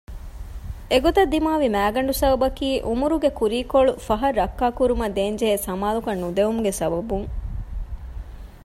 އެގޮތަށް ދިމާވި މައިގަނޑު ސަބަބަކީ ޢުމުރުގެ ކުރީ ކޮޅު ފަހަށް ރައްކާކުރުމަށް ދޭންޖެހޭ ސަމާލުކަން ނުދެވުމުގެ ސަބަބުން